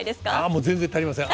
もう全然足りません。